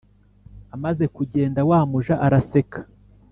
Amaze kugenda wamuja araseka